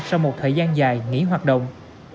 sau một thời gian dài nghỉ hoạt động